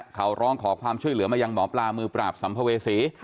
เขาร้องขอความช่วยเหลือมายังหมอปลามือปราบสัมภเวษี